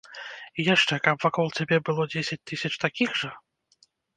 І яшчэ, каб вакол цябе было дзесяць тысяч такіх жа?